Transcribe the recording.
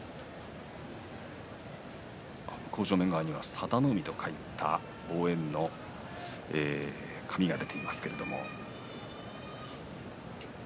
向正面佐田の海と書かれた応援の紙が出ています。